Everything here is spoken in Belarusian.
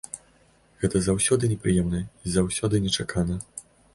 Гэта заўсёды непрыемна і заўсёды нечакана.